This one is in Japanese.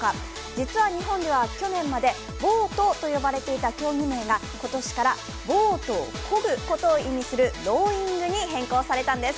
実は日本では去年までボートと呼ばれていた競技名が今年からボートをこぐことを意味するローイングに変更されたんです。